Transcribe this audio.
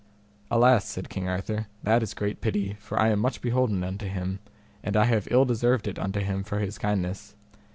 Alas, said King Arthur, that is great pity; for I am much beholden unto him, and I have ill deserved it unto him for his kindness.